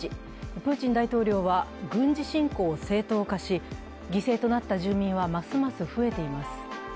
プーチン大統領は軍事侵攻を正当化し犠牲となった住民は、ますます増えています。